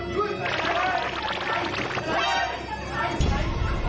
ยังไง